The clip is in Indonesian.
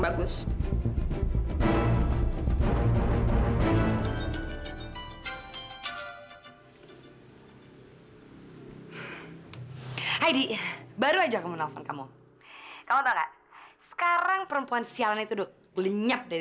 bukur jangan menyenangkan